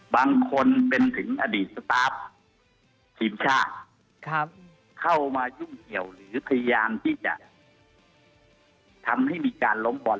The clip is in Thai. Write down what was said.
บางคนเป็นถึงอดีตสตาร์ฟทีมชาติเข้ามายุ่งเกี่ยวหรือพยายามที่จะทำให้มีการล้มบอล